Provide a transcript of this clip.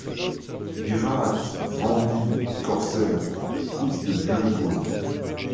Pirates, bandits, corsaires, fils de John Bull !